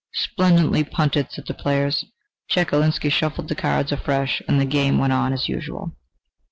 "Splendidly punted!" said the players. Chekalinsky shuffled the cards afresh, and the game went on as usual.